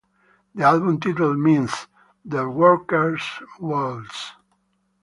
The album title means "The Worker's Waltz".